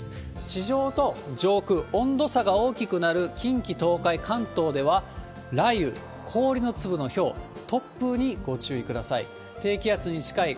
地上と上空、温度差が大きくなる近畿、東海、関東では、雷雨、氷の粒のひょう、突風にご注意ください。